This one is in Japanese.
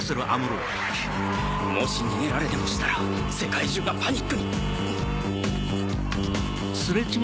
もし逃げられでもしたら世界中がパニックに